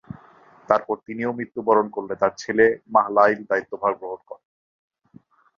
তারপর তিনিও মৃত্যুবরণ করলে তার ছেলে মাহলাঈল দায়িত্বভার গ্রহণ করেন।